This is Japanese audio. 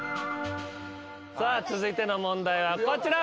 さあ続いての問題はこちら。